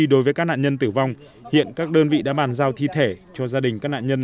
đối với các nạn nhân tử vong hiện các đơn vị đã bàn giao thi thể cho gia đình các nạn nhân